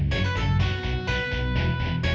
tapi kenapa sih